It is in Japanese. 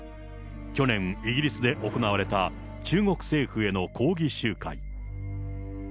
去年、イギリスで行われた中国政府への抗議集会。